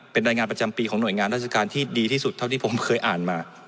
เป็นรายงานประจำปีของหน่วยงานราชการที่ดีที่สุดเท่าที่ผมเคยอ่านมา